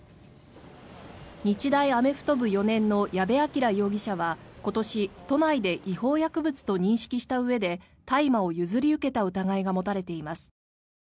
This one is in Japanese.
日大アメフト部４年の矢部鑑羅容疑者は今年都内で違法薬物と認識したうえで大麻を譲り受けた疑いが持たれています。